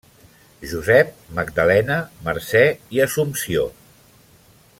Josep, Magdalena, Mercè i Assumpció.